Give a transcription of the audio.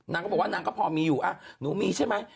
นางก็บอกว่านางก็พอมีอยู่หนูมีใช่ไหม